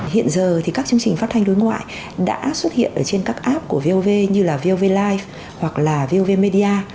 hiện giờ thì các chương trình phát thanh đối ngoại đã xuất hiện trên các app của vov như là vov live hoặc là vov media